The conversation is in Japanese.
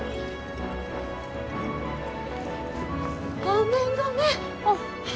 ごめんごめん。